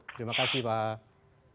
terima kasih pak